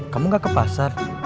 kamu mau ke pasar